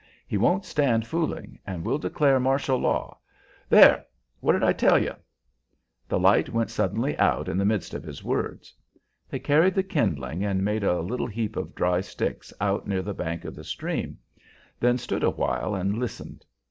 "He won't stand fooling, and will declare martial law. There! What did I tell you?" The light went suddenly out in the midst of his words. They carried the kindling and made a little heap of dry sticks out near the bank of the stream; then stood a while and listened.